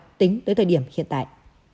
và tính tới thời điểm hiện tại